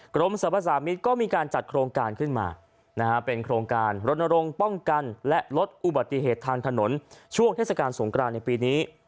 กรมสรรพสามิตรก็มีการจัดโครงการขึ้นมาเป็นโครงการรณรงค์ป้องกันและลดอุบัติเหตุทางถนนช่วงเทศกาลสงกรานในปีนี้